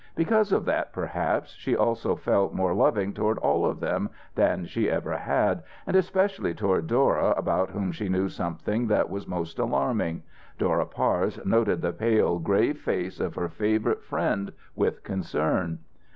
Because of that, perhaps, she also felt more loving toward all of them than she ever had, and especially toward Dora about whom she knew something that was most alarming. Dora Parse noted the pale, grave face of her favourite friend with concern.